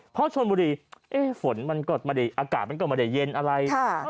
เพราะชนบุรีฝนมันก็ไม่ได้อากาศมันก็ไม่ได้เย็นอะไร